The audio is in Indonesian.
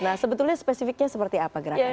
nah sebetulnya spesifiknya seperti apa gerakan ini